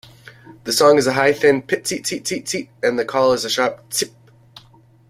The song is a high thin "pit-seet-seet-seet-seet", and the call is a sharp "tsip".